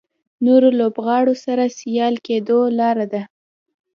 نورو لوبغاړو سره سیال کېدو لاره ده.